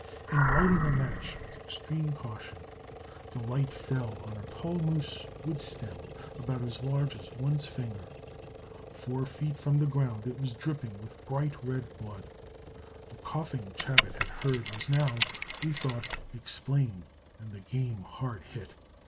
In lighting a match with extreme caution, the light fell on a tall moose wood stem about as large as one's finger. Four feet from the ground it was dripping with bright red blood. The coughing Chabot had heard was now, we thought, explained, and the game hard hit.